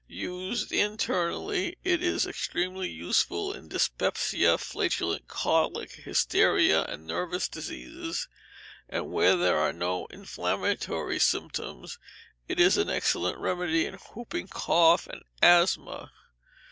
Used internally, it is extremely useful in dyspepsia, flatulent colic, hysteria, and nervous diseases; and where there are no inflammatory symptoms, it is an excellent remedy in hooping cough and asthma.